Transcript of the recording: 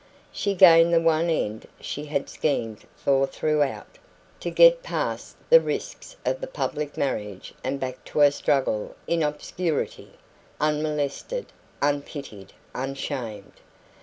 She gained the one end she had schemed for throughout to get past the risks of the public marriage and back to her struggle in obscurity, unmolested, unpitied, unshamed.